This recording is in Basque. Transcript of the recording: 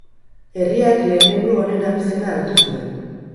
Herriak lehenengo honen abizena hartu zuen.